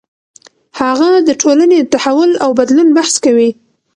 هغه د ټولنې د تحول او بدلون بحث کوي.